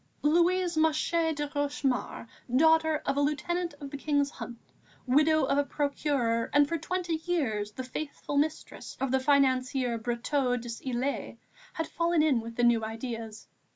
Louise Masché de Rochemaure, daughter of a Lieutenant of the King's Hunt, widow of a Procureur and, for twenty years, the faithful mistress of the financier Brotteaux des Ilettes, had fallen in with the new ideas.